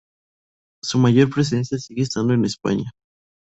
Su mayor presencia sigue estando en España.